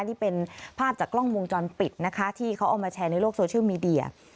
นี่เป็นภาพจากกล้องวงจรปิดนะคะที่เขาเอามาแชร์ในโลกโซเชียลมีเดีย